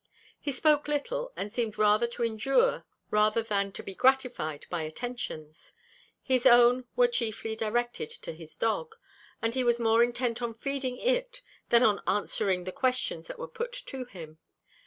He spoke little, and seemed rather to endure than to be gratified by attentions; his own were chiefly directed to his dog, as he was more intent on feeding it than on answering the questions that were put to him.